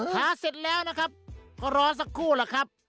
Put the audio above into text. ทาเสร็จแล้วนะครับเขาร้อนสักครู่แล้วครับ